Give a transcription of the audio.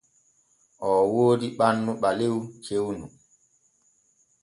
Oo woodi ɓannu ɓalew cewnu.